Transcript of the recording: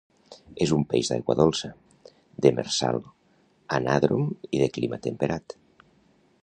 És un peix d'aigua dolça, demersal, anàdrom i de clima temperat.